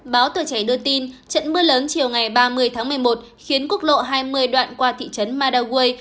báo tờ trẻ đưa tin trận mưa lớn chiều ngày ba mươi tháng một mươi một khiến quốc lộ hai mươi đoạn qua thị trấn madaway